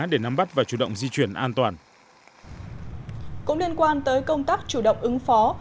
để nắm bắt và chủ động di chuyển an toàn cũng liên quan tới công tác chủ động ứng phó